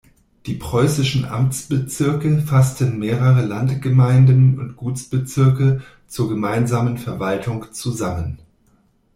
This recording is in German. Die preußischen Amtsbezirke fassten mehrere Landgemeinden und Gutsbezirke zur gemeinsamen Verwaltung zusammen.